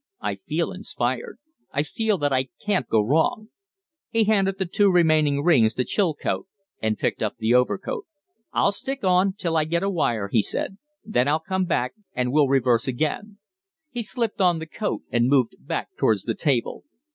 I feel inspired; I feel that I can't go wrong." He handed the two remaining rings to Chilcote and picked up the overcoat. "I'll stick on till I get a wire ," he said. "Then I'll come back and we'll reverse again." He slipped on the coat and moved back towards the table.